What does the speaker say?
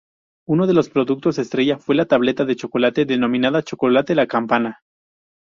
Uno de los productos estrella fue la tableta de chocolate denominada Chocolate La Campana.